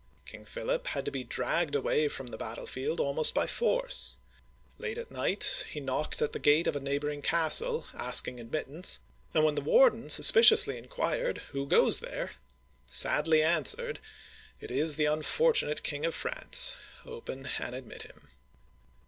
King Philip had to be dragged away from the battlefield almost by force. Late at night, he knocked at the gate of a neighboring castle, asking admit tance, and when the warden suspiciously inquired, " Who goes there ?" sadly answered, " It is the unfortunate King of France ; open and admit him